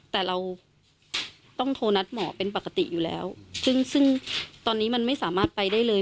แต่เราต้องโทรนัดหมอเป็นปกติอยู่แล้วซึ่งซึ่งตอนนี้มันไม่สามารถไปได้เลย